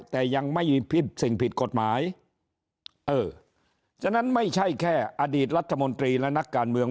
แต่ยังไม่มีพิษสิ่งผิดกฎหมายเออฉะนั้นไม่ใช่แค่อดีตรัฐมนตรีและนักการเมือง